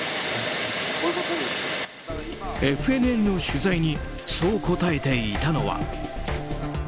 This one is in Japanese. ＦＮＮの取材にそう答えていたのは。